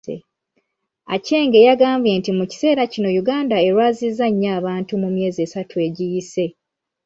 Acheng yagambye nti mu kiseera kino Uganda erwazizza nnyo abantu mu myezi esatu egiyise.